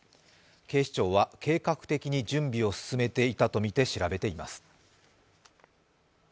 警視庁は計画的に準備を進めていたとみて調べています。